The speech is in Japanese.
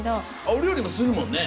お料理もするもんね？